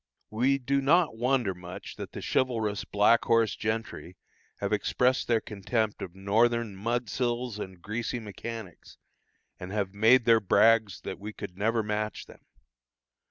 We do not wonder much that the chivalrous Black Horse gentry have expressed their contempt of Northern "mudsills and greasy mechanics," and have made their brags that we could never match them.